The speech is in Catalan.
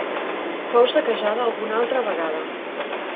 Fou saquejada alguna altra vegada.